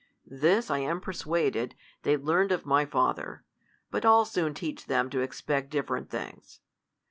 This, I am persuaded, they learned of my father ; but I'll soon teach them to expect different things.